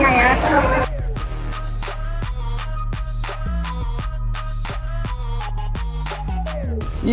sangat bersarap apalagi kalau ada konsernya ya